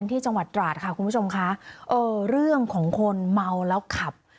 ที่จังหวัดตราดค่ะคุณผู้ชมค่ะเออเรื่องของคนเมาแล้วขับ